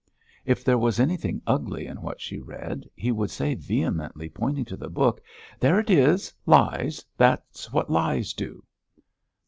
If there was anything ugly in what she read, he would say vehemently, pointing to the book: "There it is! Lies! That's what lies do!"